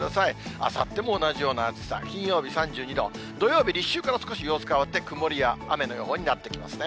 あさっても同じような暑さ、金曜日３２度、土曜日、立秋から少し変わって、曇りや雨の予報になってきますね。